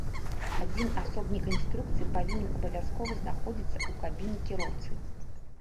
Адзін асобнік інструкцыі павінен абавязкова знаходзіцца ў кабіне кіроўцы.